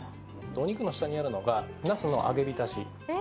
お肉の下にあるのがナスの揚げ浸し。